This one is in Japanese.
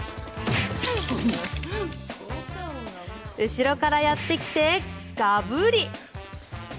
後ろからやってきてガブリ。